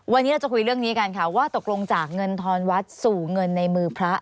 วันนี้เราจะคุยเรื่องนี้กันค่ะว่าตกลงจากเงินทอนวัดสู่เงินในมือพระ